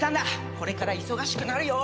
これから忙しくなるよ！